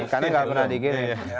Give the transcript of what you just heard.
karena nggak pernah dikirim